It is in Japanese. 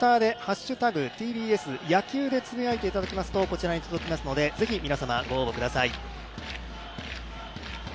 Ｔｗｉｔｔｅｒで「＃ＴＢＳ野球」でつぶやいていただきますとこちらに届きますので、ぜひ皆様ご応募ください。